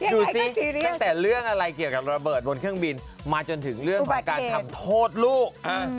ดูสิตั้งแต่เรื่องอะไรเกี่ยวกับระเบิดบนเครื่องบินมาจนถึงเรื่องของการทำโทษลูก